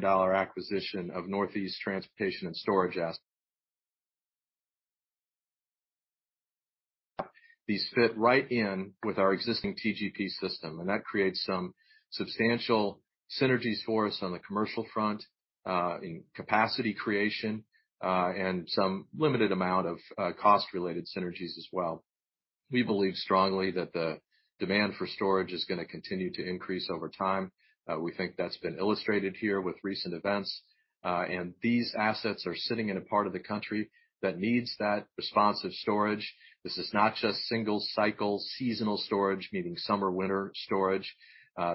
$1 billion acquisition of Northeast Transportation and storage. These fit right in with our existing TGP system. That creates some substantial synergies for us on the commercial front, in capacity creation, and some limited amount of cost-related synergies as well. We believe strongly that the demand for storage is going to continue to increase over time. We think that's been illustrated here with recent events. These assets are sitting in a part of the country that needs that responsive storage. This is not just single-cycle seasonal storage, meaning summer/winter storage.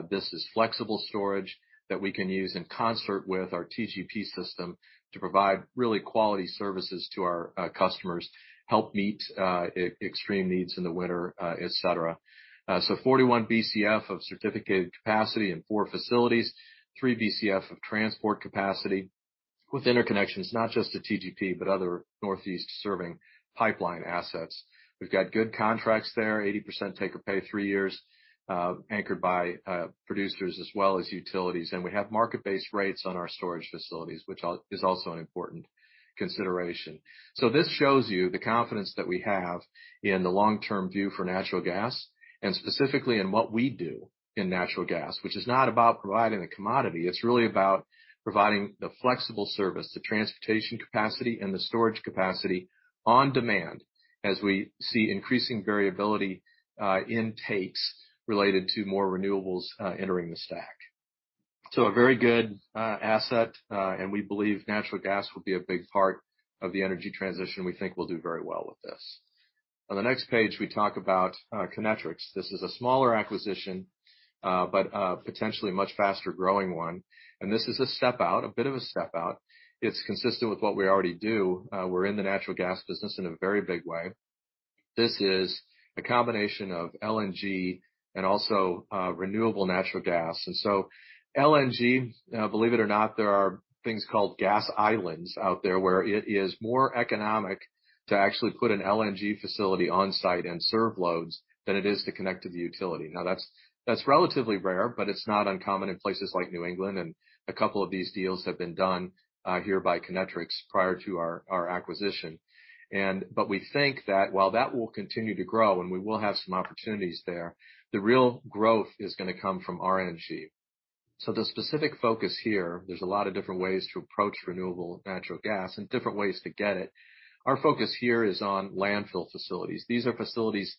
This is flexible storage that we can use in concert with our TGP system to provide really quality services to our customers, help meet extreme needs in the winter, et cetera. 41 BCF of certificated capacity in four facilities, 3 BCF of transport capacity with interconnections, not just to TGP, but other Northeast-serving pipeline assets. We've got good contracts there, 80% take-or-pay, three years, anchored by producers as well as utilities. We have market-based rates on our storage facilities, which is also an important consideration. This shows you the confidence that we have in the long-term view for natural gas and specifically in what we do in natural gas, which is not about providing a commodity. It's really about providing the flexible service, the transportation capacity, and the storage capacity on demand, as we see increasing variability in takes related to more renewables entering the stack. A very good asset, and we believe natural gas will be a big part of the energy transition. We think we'll do very well with this. On the next page, we talk about Kinetrex. This is a smaller acquisition, but potentially a much faster-growing one. This is a step out, a bit of a step out. It's consistent with what we already do. We're in the natural gas business in a very big way. This is a combination of LNG and also renewable natural gas. LNG, believe it or not, there are things called gas islands out there where it is more economic to actually put an LNG facility on site and serve loads than it is to connect to the utility. That's relatively rare, but it's not uncommon in places like New England, and a couple of these deals have been done here by Kinetrex prior to our acquisition. We think that while that will continue to grow and we will have some opportunities there, the real growth is going to come from RNG. The specific focus here, there's a lot of different ways to approach renewable natural gas and different ways to get it. Our focus here is on landfill facilities. These are facilities,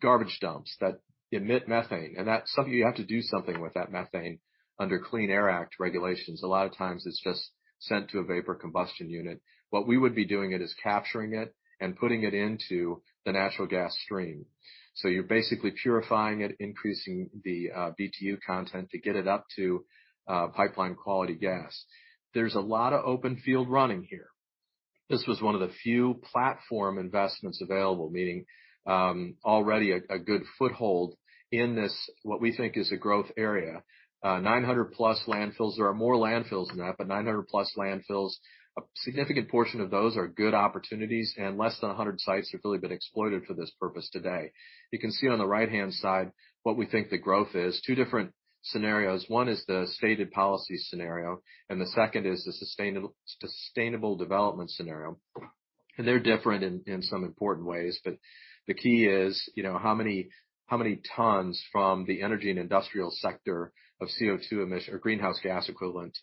garbage dumps that emit methane, and you have to do something with that methane under Clean Air Act regulations. A lot of times it's just sent to a vapor combustion unit. What we would be doing it is capturing it and putting it into the natural gas stream. You're basically purifying it, increasing the BTU content to get it up to pipeline-quality gas. There's a lot of open field running here. This was one of the few platform investments available, meaning, already a good foothold in this, what we think is a growth area. 900-plus landfills. There are more landfills than that, 900-plus landfills. A significant portion of those are good opportunities, and less than 100 sites have really been exploited for this purpose today. You can see on the right-hand side what we think the growth is. Two different scenarios. One is the stated policy scenario, and the second is the sustainable development scenario. They're different in some important ways, but the key is, how many tons from the energy and industrial sector of CO2 emission or greenhouse gas equivalent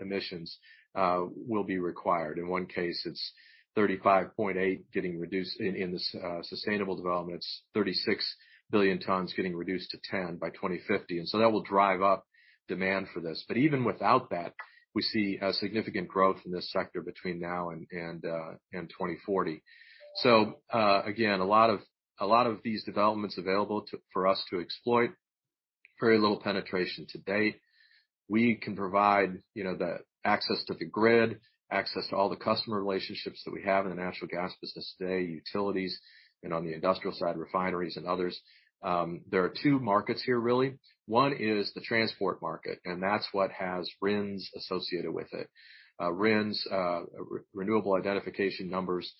emissions will be required? In one case, it's 35.8 getting reduced. In the sustainable development, it's 36 billion tons getting reduced to 10 by 2050. That will drive up demand for this. Even without that, we see a significant growth in this sector between now and 2040. Again, a lot of these developments available for us to exploit. Very little penetration to date. We can provide the access to the grid, access to all the customer relationships that we have in the natural gas business today, utilities, and on the industrial side, refineries and others. There are two markets here really. One is the transport market, and that's what has RINs associated with it. RINs, Renewable Identification Numbers,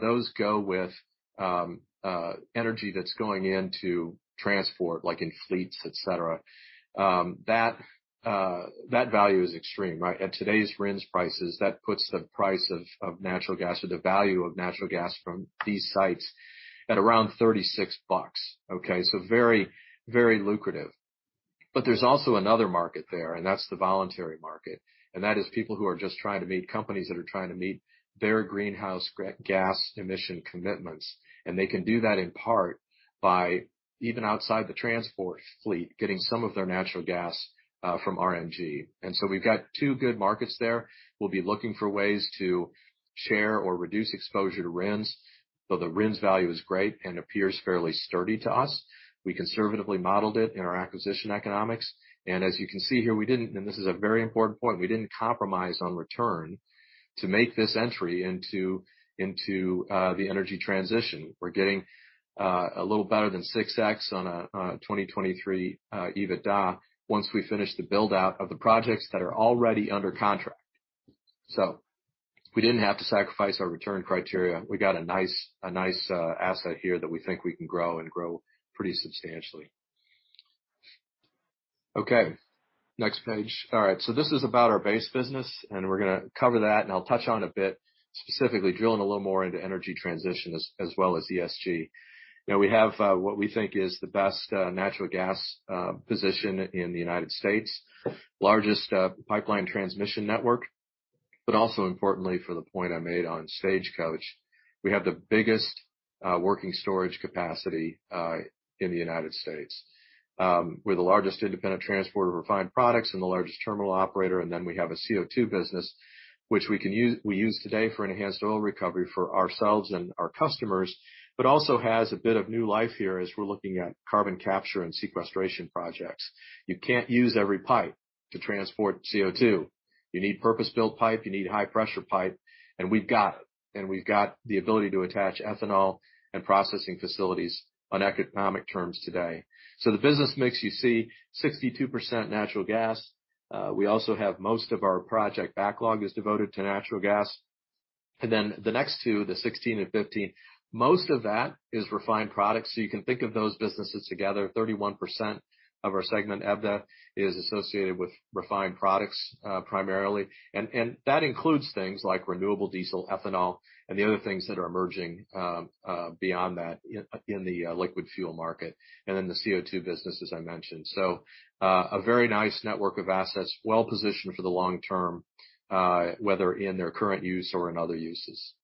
those go with energy that's going into transport, like in fleets, et cetera. That value is extreme, right? At today's RINs prices, that puts the price of natural gas or the value of natural gas from these sites at around $36. Okay, so very lucrative. But there's also another market there, and that's the voluntary market, and that is people who are just trying to meet companies that are trying to meet their greenhouse gas emission commitments. They can do that in part by even outside the transport fleet, getting some of their natural gas from RNG. We've got two good markets there. We'll be looking for ways to share or reduce exposure to RINs, though the RINs value is great and appears fairly sturdy to us. We conservatively modeled it in our acquisition economics. As you can see here, this is a very important point, we didn't compromise on return to make this entry into the energy transition. We're getting a little better than 6x on a 2023 EBITDA once we finish the build-out of the projects that are already under contract. We didn't have to sacrifice our return criteria. We got a nice asset here that we think we can grow and grow pretty substantially. Okay, next page. All right, this is about our base business, we're going to cover that, I'll touch on a bit, specifically drilling a little more into energy transition as well as ESG. We have what we think is the best natural gas position in the U.S., largest pipeline transmission network, also importantly for the point I made on Stagecoach, we have the biggest working storage capacity in the U.S. We're the largest independent transporter of refined products and the largest terminal operator, we have a CO2 business, which we use today for enhanced oil recovery for ourselves and our customers, also has a bit of new life here as we're looking at carbon capture and sequestration projects. You can't use every pipe to transport CO2. You need purpose-built pipe. You need high-pressure pipe, we've got it. We've got the ability to attach ethanol and processing facilities on economic terms today. The business mix you see, 62% natural gas. We also have most of our project backlog is devoted to natural gas. Then the next two, the 16% and 15%, most of that is refined products, so you can think of those businesses together, 31% of our segment EBITDA is associated with refined products primarily, and that includes things like renewable diesel, ethanol, and the other things that are emerging beyond that in the liquid fuel market, and then the CO2 business, as I mentioned. A very nice network of assets, well-positioned for the long term, whether in their current use or in other uses.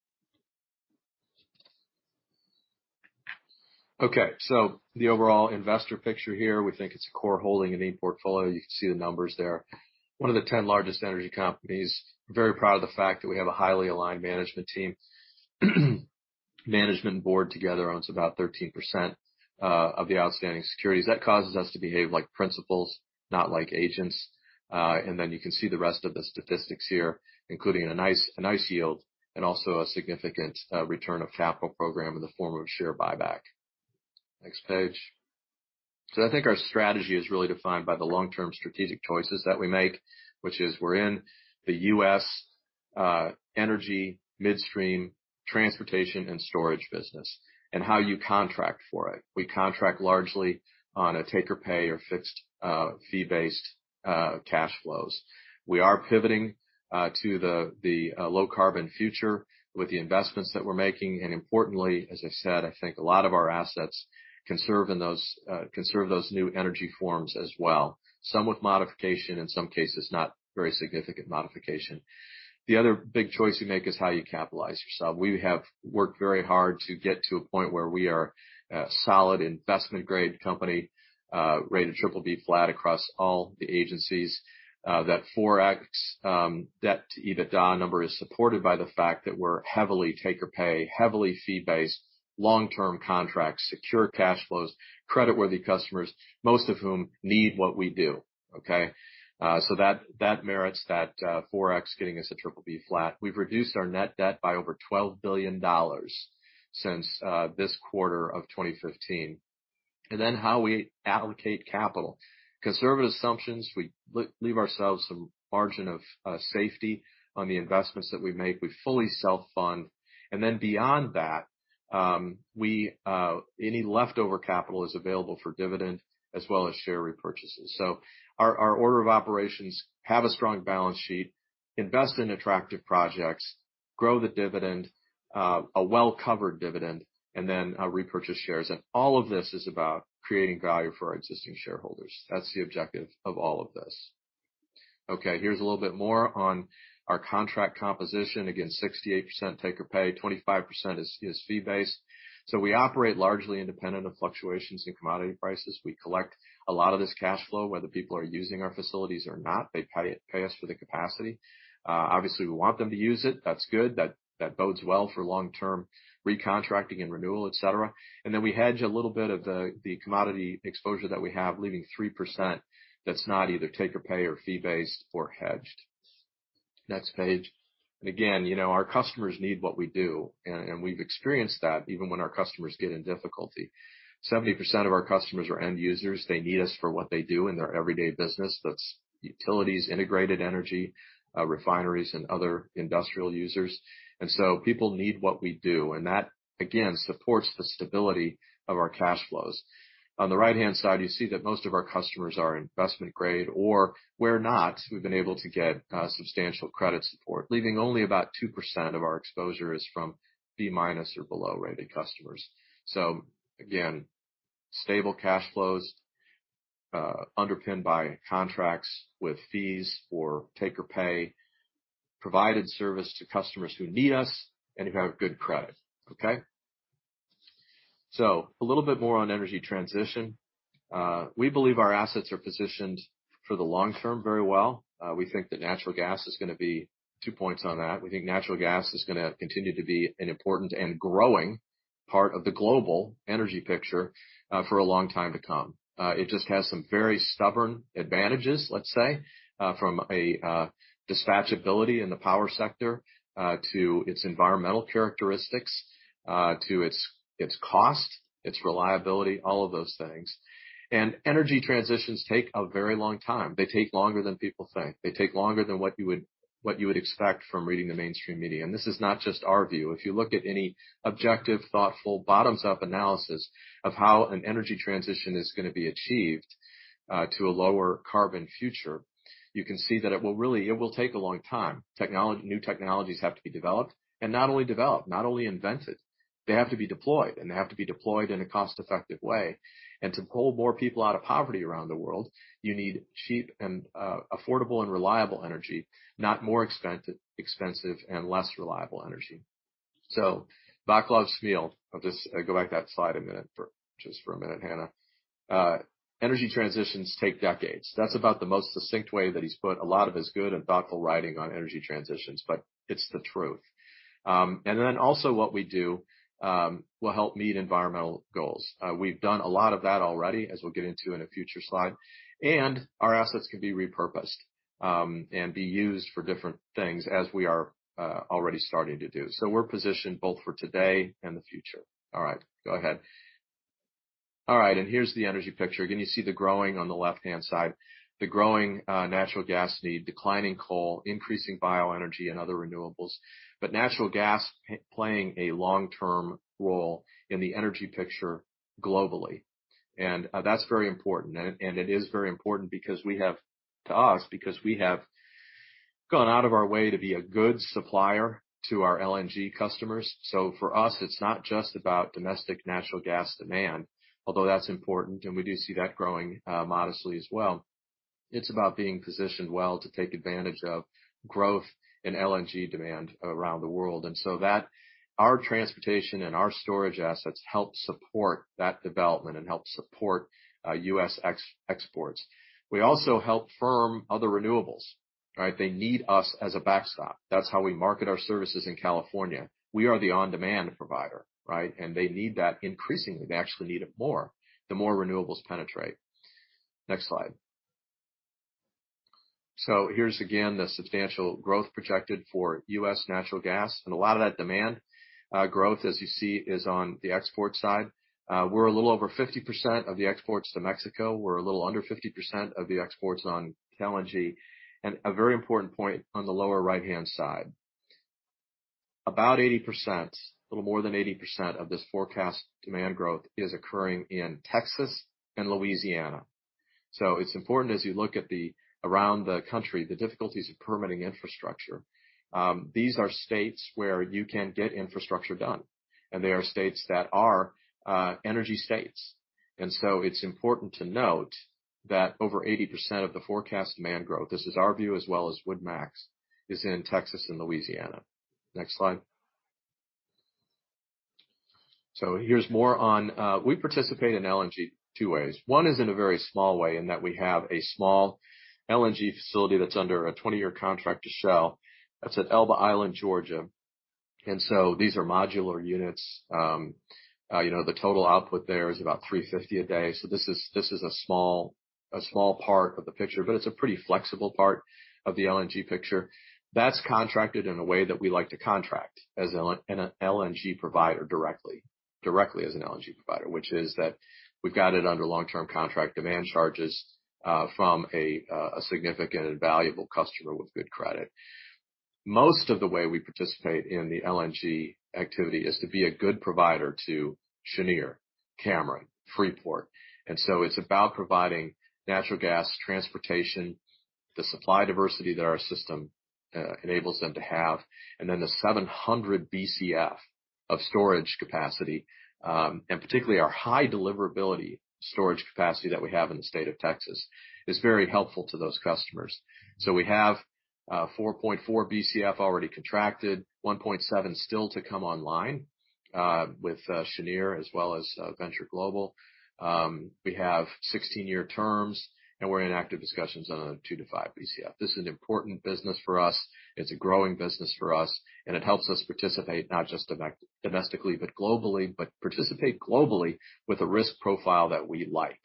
The overall investor picture here, we think it's a core holding in any portfolio. You can see the numbers there. One of the 10 largest energy companies. Very proud of the fact that we have a highly aligned management team. Management and board together owns about 13% of the outstanding securities. That causes us to behave like principals, not like agents. Then you can see the rest of the statistics here, including a nice yield and also a significant return of capital program in the form of share buyback. Next page. I think our strategy is really defined by the long-term strategic choices that we make, which is we're in the U.S. energy midstream, transportation, and storage business, and how you contract for it. We contract largely on a take-or-pay or fixed fee-based cash flows. We are pivoting to the low-carbon future with the investments that we're making, and importantly, as I've said, I think a lot of our assets can serve those new energy forms as well, some with modification, in some cases not very significant modification. The other big choice you make is how you capitalize yourself. We have worked very hard to get to a point where we are a solid investment-grade company, rated BBB flat across all the agencies. That 4x debt-to-EBITDA number is supported by the fact that we're heavily take-or-pay, heavily fee-based, long-term contracts, secure cash flows, creditworthy customers, most of whom need what we do, okay? That merits that 4x getting us a BBB flat. We've reduced our net debt by over $12 billion since this quarter of 2015. How we allocate capital. Conservative assumptions. We leave ourselves some margin of safety on the investments that we make. We fully self-fund. Beyond that, any leftover capital is available for dividend as well as share repurchases. Our order of operations, have a strong balance sheet, invest in attractive projects, grow the dividend, a well-covered dividend, and then repurchase shares, and all of this is about creating value for our existing shareholders. That's the objective of all of this. Okay, here's a little bit more on our contract composition. Again, 68% take-or-pay, 25% is fee-based. We operate largely independent of fluctuations in commodity prices. We collect a lot of this cash flow, whether people are using our facilities or not. They pay us for the capacity. Obviously, we want them to use it, that's good. That bodes well for long-term recontracting and renewal, et cetera. We hedge a little bit of the commodity exposure that we have, leaving 3% that's not either take-or-pay or fee-based or hedged. Next page. Our customers need what we do, and we've experienced that even when our customers get in difficulty. 70% of our customers are end users. They need us for what they do in their everyday business. That's utilities, integrated energy, refineries, and other industrial users. People need what we do, and that, again, supports the stability of our cash flows. On the right-hand side, you see that most of our customers are investment-grade, or where not, we've been able to get substantial credit support, leaving only about 2% of our exposure is from B-minus or below rated customers. Again, stable cash flows underpinned by contracts with fees or take-or-pay, provided service to customers who need us and who have good credit. Okay? A little bit more on Energy Transition. We believe our assets are positioned for the long term very well. We think natural gas is going to two points on that. We think natural gas is going to continue to be an important and growing part of the global energy picture for a long time to come. It just has some very stubborn advantages, let's say, from a dispatchability in the power sector, to its environmental characteristics, to its cost, its reliability, all of those things. Energy Transitions take a very long time. They take longer than people think. They take longer than what you would expect from reading the mainstream media. This is not just our view. If you look at any objective, thoughtful, bottoms-up analysis of how an energy transition is going to be achieved to a lower carbon future, you can see that it will take a long time. New technologies have to be developed, and not only developed, not only invented. They have to be deployed, and they have to be deployed in a cost-effective way. To pull more people out of poverty around the world, you need cheap and affordable and reliable energy, not more expensive and less reliable energy. Vaclav Smil, I'll just go back to that slide just for a minute, Hannah. Energy transitions take decades. That's about the most succinct way that he's put a lot of his good and thoughtful writing on energy transitions, but it's the truth. Also what we do will help meet environmental goals. We've done a lot of that already, as we'll get into in a future slide, and our assets can be repurposed and be used for different things as we are already starting to do. We're positioned both for today and the future. All right, go ahead. All right, here's the energy picture. Again, you see the growing on the left-hand side, the growing natural gas need, declining coal, increasing bioenergy and other renewables, but natural gas playing a long-term role in the energy picture globally. That's very important. It is very important to us because we have gone out of our way to be a good supplier to our LNG customers. For us, it's not just about domestic natural gas demand, although that's important and we do see that growing modestly as well. It's about being positioned well to take advantage of growth in LNG demand around the world. Our transportation and our storage assets help support that development and help support U.S. exports. We also help firm other renewables. They need us as a backstop. That's how we market our services in California. We are the on-demand provider. They need that increasingly. They actually need it more, the more renewables penetrate. Next slide. Here's again, the substantial growth projected for U.S. natural gas. A lot of that demand growth, as you see, is on the export side. We're a little over 50% of the exports to Mexico. We're a little under 50% of the exports on LNG. A very important point on the lower right-hand side. About 80%, a little more than 80% of this forecast demand growth is occurring in Texas and Louisiana. It's important as you look around the country, the difficulties of permitting infrastructure. These are states where you can get infrastructure done, and they are states that are energy states. It's important to note that over 80% of the forecast demand growth, this is our view as well as WoodMac's, is in Texas and Louisiana. Next slide. Here's more. We participate in LNG two ways. One is in a very small way, in that we have a small LNG facility that's under a 20-year contract to Shell, that's at Elba Island, Georgia. These are modular units. The total output there is about 350 a day. This is a small part of the picture, but it's a pretty flexible part of the LNG picture. That's contracted in a way that we like to contract as an LNG provider directly. Directly as an LNG provider, which is that we've got it under long-term contract demand charges from a significant and valuable customer with good credit. Most of the way we participate in the LNG activity is to be a good provider to Cheniere, Cameron LNG, Freeport LNG. It's about providing natural gas transportation, the supply diversity that our system enables them to have, and then the 700 BCF of storage capacity, and particularly our high deliverability storage capacity that we have in the state of Texas is very helpful to those customers. We have 4.4 BCF already contracted, 1.7 still to come online, with Cheniere as well as Venture Global LNG. We have 16-year terms, and we're in active discussions on a 2-5 BCF. This is an important business for us. It's a growing business for us, and it helps us participate not just domestically, but globally, but participate globally with a risk profile that we like.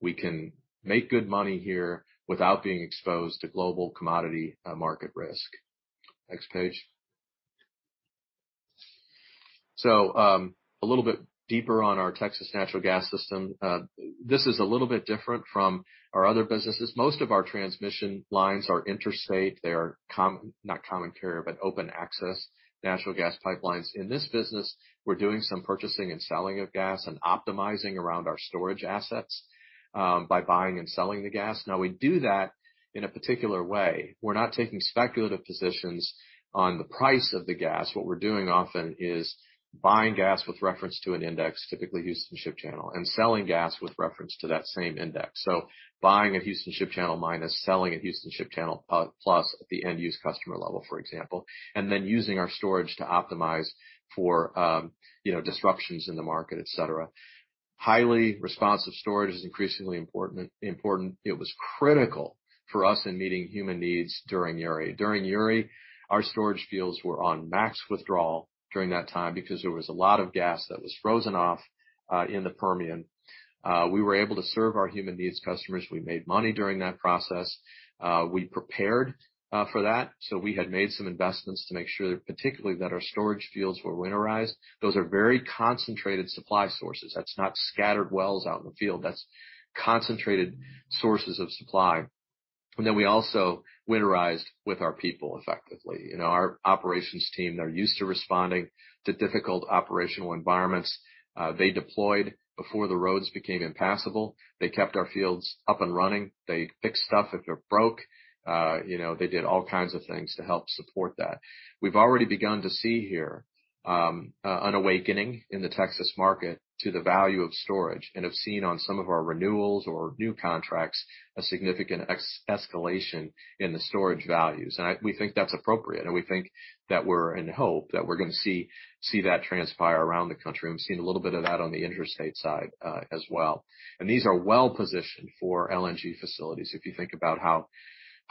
We can make good money here without being exposed to global commodity market risk. Next page. A little bit deeper on our Texas natural gas system. This is a little bit different from our other businesses. Most of our transmission lines are interstate. They are common, not common carrier, but open access natural gas pipelines. In this business, we're doing some purchasing and selling of gas and optimizing around our storage assets, by buying and selling the gas. Now we do that in a particular way. We're not taking speculative positions on the price of the gas. What we're doing often is buying gas with reference to an index, typically Houston Ship Channel, and selling gas with reference to that same index. Buying at Houston Ship Channel minus, selling at Houston Ship Channel plus at the end-use customer level, for example. Using our storage to optimize for disruptions in the market, et cetera. Highly responsive storage is increasingly important. It was critical for us in meeting human needs during Uri. During Uri, our storage fields were on max withdrawal during that time because there was a lot of gas that was frozen off in the Permian. We were able to serve our human needs customers. We made money during that process. We prepared for that. We had made some investments to make sure, particularly that our storage fields were winterized. Those are very concentrated supply sources. That's not scattered wells out in the field. That's concentrated sources of supply. We also winterized with our people effectively. Our operations team, they're used to responding to difficult operational environments. They deployed before the roads became impassable. They kept our fields up and running. They fixed stuff if they broke. They did all kinds of things to help support that. We've already begun to see here an awakening in the Texas market to the value of storage, and have seen on some of our renewals or new contracts, a significant escalation in the storage values. We think that's appropriate, and we think that we're, and hope, that we're going to see that transpire around the country, and we've seen a little bit of that on the interstate side, as well. These are well-positioned for LNG facilities. If you think about how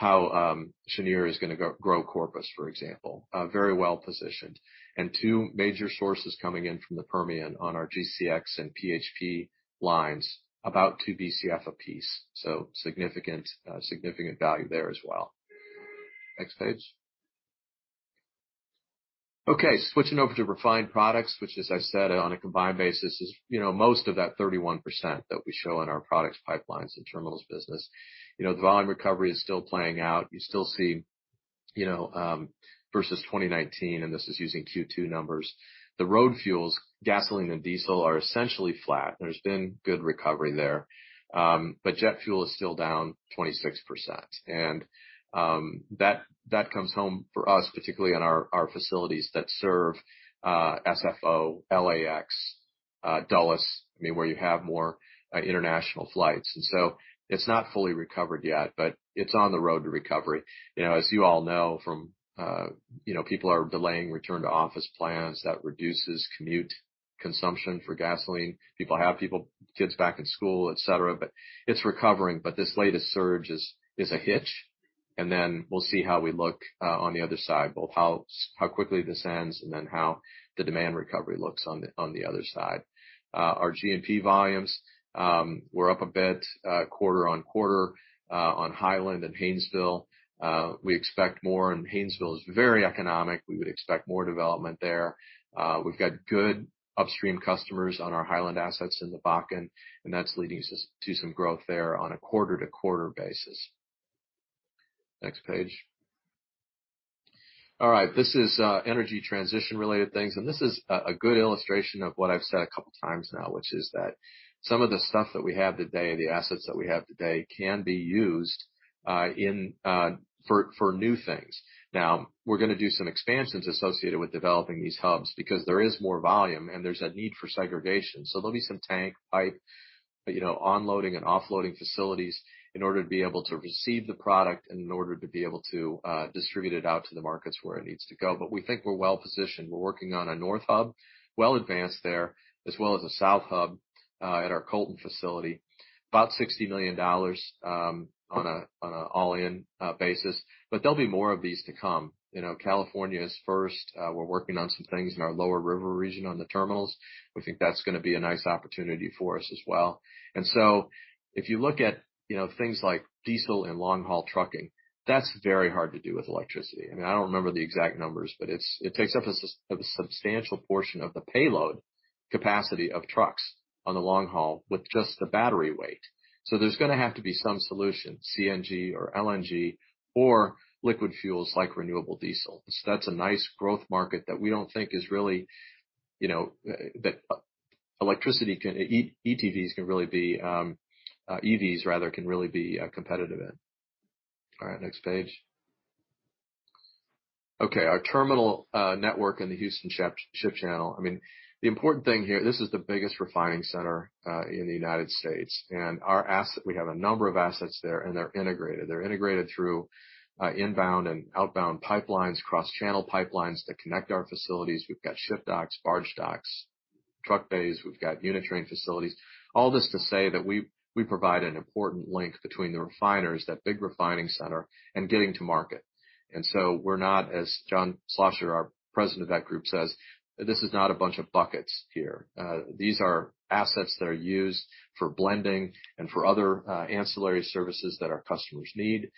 Cheniere is going to grow Corpus, for example. Very well-positioned. Two major sources coming in from the Permian on our GCX and PHP lines, about 2 BCF a piece. Significant value there as well. Next page. Okay, switching over to refined products, which, as I said, on a combined basis is most of that 31% that we show in our products, pipelines, and terminals business. The volume recovery is still playing out. You still see versus 2019, and this is using Q2 numbers, the road fuels, gasoline and diesel are essentially flat. There's been good recovery there, but jet fuel is still down 26%. That comes home for us, particularly on our facilities that serve SFO, LAX, Dulles, where you have more international flights, so it's not fully recovered yet, but it's on the road to recovery. As you all know, people are delaying return to office plans. That reduces commute consumption for gasoline. People have kids back in school, et cetera, but it's recovering, but this latest surge is a hitch. Then we'll see how we look on the other side, both how quickly this ends and then how the demand recovery looks on the other side. Our G&P volumes were up a bit quarter-on-quarter on Hiland and Haynesville. We expect more in Haynesville. It's very economic. We would expect more development there. We've got good upstream customers on our Hiland assets in the Bakken and that's leading to some growth there on a quarter-to-quarter basis. Next page. All right. This is energy transition-related things. This is a good illustration of what I've said a couple times now, which is that some of the stuff that we have today, the assets that we have today can be used for new things. We are going to do some expansions associated with developing these hubs because there is more volume, and there is a need for segregation. There will be some tank, pipe, onloading and offloading facilities in order to be able to receive the product and in order to be able to distribute it out to the markets where it needs to go. We think we are well-positioned. We are working on a north hub, well advanced there, as well as a south hub, at our Colton facility. About $60 million on an all-in basis, there will be more of these to come. California is first. We are working on some things in our Lower River region on the terminals. We think that is going to be a nice opportunity for us as well. If you look at things like diesel and long-haul trucking, that is very hard to do with electricity. I don't remember the exact numbers, but it takes up a substantial portion of the payload capacity of trucks on the long haul with just the battery weight. There's going to have to be some solution, CNG or LNG or liquid fuels like renewable diesel. That's a nice growth market that we don't think EVs can really be competitive in. All right, next page. Okay, our terminal network in the Houston Ship Channel. The important thing here, this is the biggest refining center in the United States We have a number of assets there, and they're integrated. They're integrated through inbound and outbound pipelines, cross-channel pipelines that connect our facilities. We've got ship docks, barge docks, truck bays. We've got unit train facilities. All this to say that we provide an important link between the refiners, that big refining center, and getting to market. We're not, as John W. Schlosser, our President of that group, says, this is not a bunch of buckets here. These are assets that are used for blending and for other ancillary services that our customers need.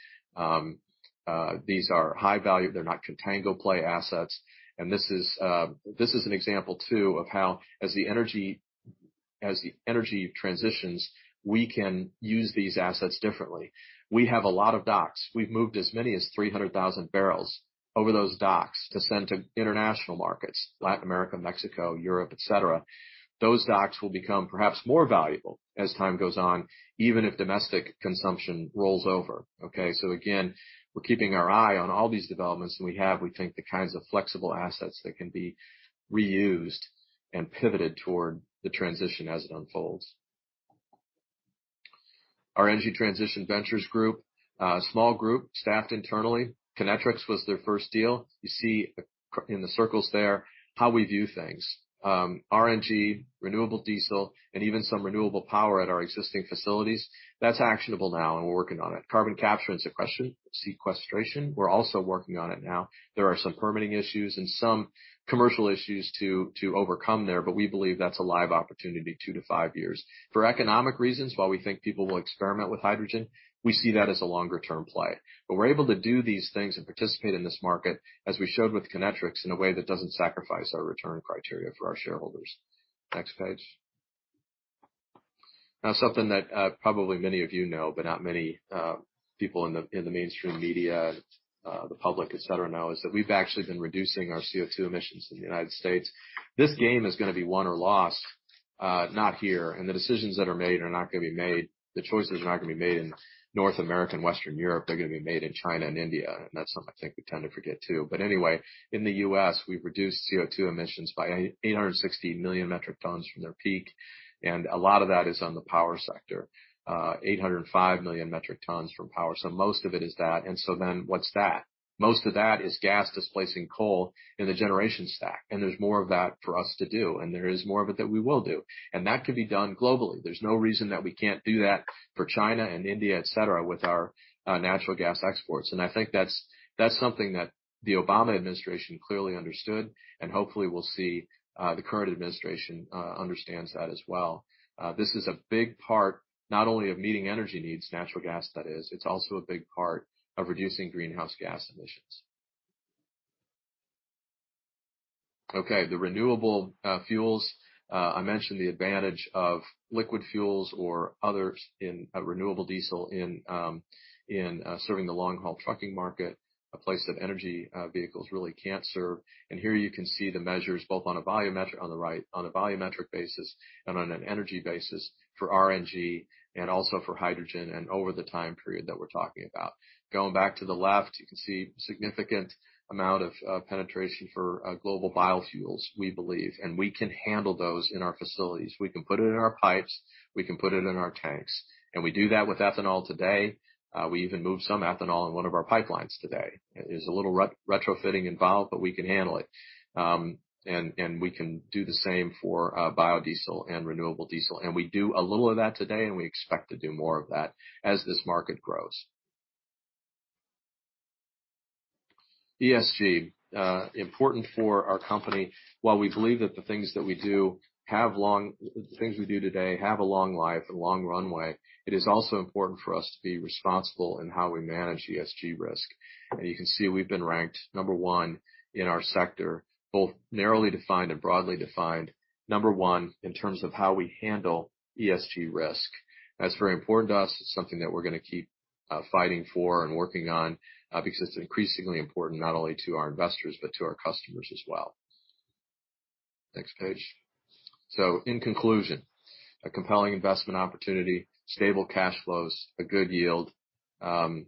These are high value. They're not contango play assets. This is an example, too, of how as the energy transitions, we can use these assets differently. We have a lot of docks. We've moved as many as 300,000 barrels over those docks to send to international markets, Latin America, Mexico, Europe, et cetera. Those docks will become perhaps more valuable as time goes on, even if domestic consumption rolls over. Okay? Again, we're keeping our eye on all these developments, and we have, we think, the kinds of flexible assets that can be reused and pivoted toward the transition as it unfolds. Our Energy Transition Ventures group, a small group staffed internally. Kinetrex Energy was their first deal. You see in the circles there how we view things. RNG, renewable diesel, and even some renewable power at our existing facilities, that's actionable now, and we're working on it. Carbon capture and sequestration, we're also working on it now. There are some permitting issues and some commercial issues to overcome there, but we believe that's a live opportunity, 2-5 years. For economic reasons, while we think people will experiment with hydrogen, we see that as a longer-term play. We're able to do these things and participate in this market, as we showed with Kinetrex Energy, in a way that doesn't sacrifice our return criteria for our shareholders. Next page. Something that probably many of you know, but not many people in the mainstream media, the public, et cetera know, is that we've actually been reducing our CO2 emissions in the United States. This game is going to be won or lost not here, and the decisions that are made are not going to be made. The choices are not going to be made in North America and Western Europe. They're going to be made in China and India, and that's something I think we tend to forget, too. Anyway, in the U.S., we've reduced CO2 emissions by 860 million metric tons from their peak, and a lot of that is on the power sector. 805 million metric tons from power. Most of it is that, what's that? Most of that is gas displacing coal in the generation stack, and there's more of that for us to do, and there is more of it that we will do. That could be done globally. There's no reason that we can't do that for China and India, et cetera, with our natural gas exports. I think that's something that the Obama administration clearly understood and hopefully we'll see the current administration understands that as well. This is a big part, not only of meeting energy needs, natural gas, that is, it's also a big part of reducing greenhouse gas emissions. Okay. The renewable fuels, I mentioned the advantage of liquid fuels or others in renewable diesel in serving the long-haul trucking market, a place that EVs really can't serve. Here you can see the measures both on a volumetric on the right, on a volumetric basis and on an energy basis for RNG and also for hydrogen and over the time period that we're talking about. Going back to the left, you can see significant amount of penetration for global biofuels, we believe, and we can handle those in our facilities. We can put it in our pipes, we can put it in our tanks. We do that with ethanol today. We even move some ethanol in one of our pipelines today. There's a little retrofitting involved, but we can handle it. We can do the same for biodiesel and renewable diesel. We do a little of that today, and we expect to do more of that as this market grows. ESG, important for our company. While we believe that the things we do today have a long life, a long runway, it is also important for us to be responsible in how we manage ESG risk. You can see we've been ranked number one in our sector, both narrowly defined and broadly defined, number one in terms of how we handle ESG risk. That's very important to us. It's something that we're going to keep fighting for and working on because it's increasingly important not only to our investors, but to our customers as well. Next page. In conclusion, a compelling investment opportunity, stable cash flows, a good yield, and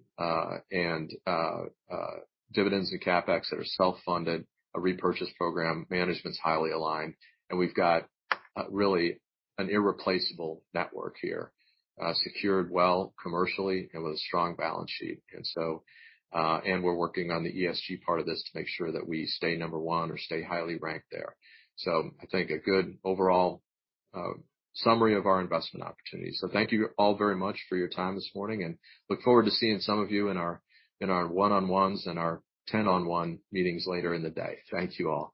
dividends and CapEx that are self-funded, a repurchase program, management's highly aligned, and we've got really an irreplaceable network here, secured well commercially and with a strong balance sheet. We're working on the ESG part of this to make sure that we stay number one or stay highly ranked there. I think a good overall summary of our investment opportunity. Thank you all very much for your time this morning, and look forward to seeing some of you in our 1-on-1s and our 10-on-1 meetings later in the day. Thank you all.